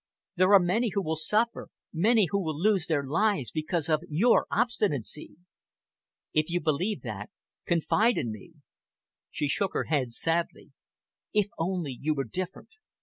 There are many who will suffer, many who will lose their lives because of your obstinacy." "If you believe that, confide in me." She shook her head sadly. "If only you were different!"